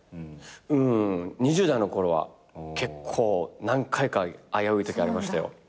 うん２０代の頃は結構何回か危ういときありましたよ。